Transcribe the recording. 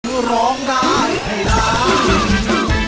คือร้องได้ให้ร้าน